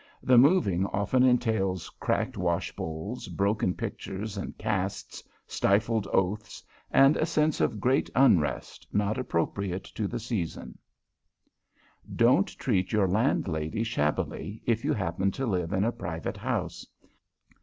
The moving often entails cracked wash bowls, broken pictures and casts, stifled oaths, and a sense of great unrest not appropriate to the season. [Sidenote: YOUR LANDLADY] Don't treat your Landlady shabbily if you happen to live in a private house.